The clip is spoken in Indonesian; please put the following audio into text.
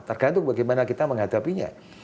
tergantung bagaimana kita menghadapinya